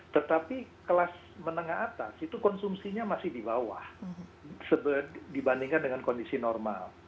tetapi kelas menengah atas itu konsumsinya masih di bawah dibandingkan dengan kondisi normal